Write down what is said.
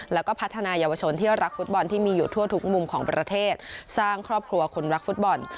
แล้วก็พัฒนายาวชนที่รักฟุตบอลที่มีอยู่ทั่วทุกมุมของประเทศสร้างครอบครัวคนรักฟุตบอล